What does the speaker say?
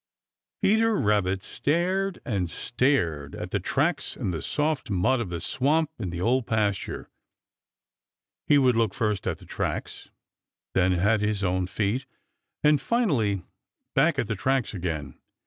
Peter Rabbit stared and stared at the tracks in the soft mud of the swamp in the Old Pasture. He would look first at the tracks, then at his own feet, and finally back at the tracks again.